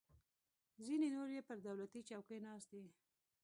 ځینې نور یې پر دولتي چوکیو ناست دي.